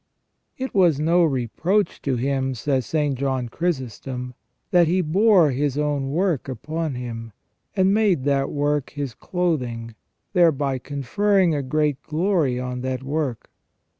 " It was no reproach to Him," says St. John Chrysostom, "that He bore His own work upon Him, and made that work His clothing, thereby conferring a great glory on that work.